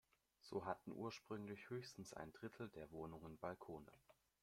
So hatten ursprünglich höchstens ein Drittel der Wohnungen Balkone.